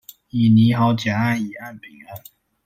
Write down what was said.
已擬好甲案乙案丙案